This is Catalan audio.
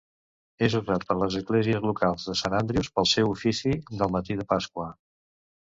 És usat per les esglésies locals de Sant Andrews pel seu oficii del matí de Pasqua.